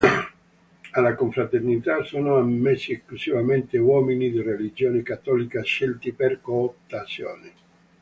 Alla Confraternita sono ammessi esclusivamente uomini di religione cattolica scelti per cooptazione.